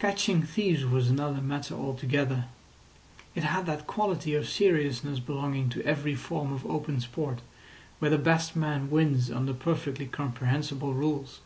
Catching thieves was another matter altogether. It had that quality of seriousness belonging to every form of open sport where the best man wins under perfectly comprehensible rules.